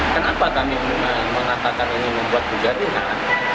kenapa kami menatakan ini membuat kegaduhan